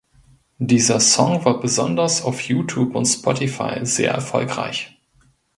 Dieser Song war besonders auf Youtube und Spotify sehr erfolgreich.